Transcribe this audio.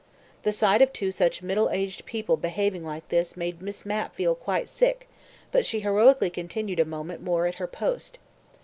The sight of two such middle aged people behaving like this made Miss Mapp feel quite sick, but she heroically continued a moment more at her post.